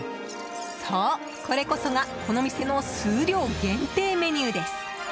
そう、これこそがこの店の数量限定メニューです。